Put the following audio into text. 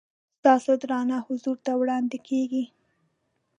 ستاسو درانه حضور ته وړاندې کېږي.